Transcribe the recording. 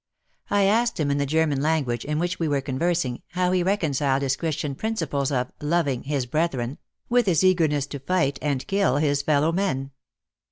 I asked him in the German lan guage, in which we were converging, how he reconciled his Christian principles of 'Moving" his brethren with his eagerness to fight and kill his fellow men